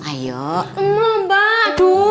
gak mau mbak